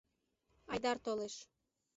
Айдар толеш.